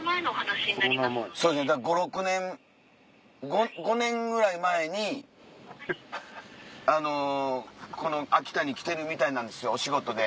そうですよねだから５６年５年ぐらい前にあのこの秋田に来てるみたいなんですよお仕事で。